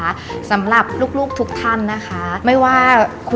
ในฐานะตอนนี้แพทย์รับสองตำแหน่งแล้วนะคะ